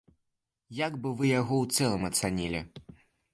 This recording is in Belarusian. Як бы вы яго ў цэлым ацанілі?